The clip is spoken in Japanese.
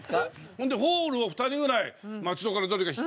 ほんでホールを２人ぐらい松戸から誰か引っこ抜いて。